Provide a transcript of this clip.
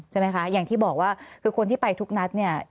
ใช่ไหมคะอย่างที่บอกว่าคือคนที่ไปทุกนัดเนี่ย